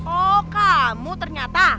oh kamu ternyata